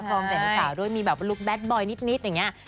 ความแต่หัวสาวด้วยมีแบบลูกแบตบอยนิดอย่างนี้